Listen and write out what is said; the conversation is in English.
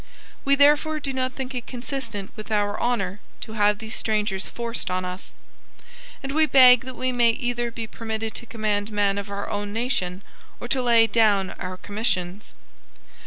We therefore do not think it consistent with our honour to have these strangers forced on us; and we beg that we may either be permitted to command men of our own nation or to lay down our commissions."